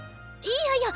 いやいや！